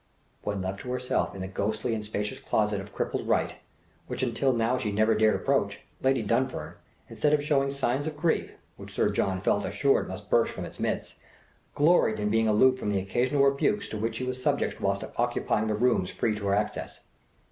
When left to herself in the ghostly and spacious closet of crippled right, which until now she never dare approach, Lady Dunfern, instead of shewing signs of grief, which Sir John felt assured must burst from its midst, gloried in being aloof from the occasional rebukes to which she was subject whilst occupying the rooms free to her access.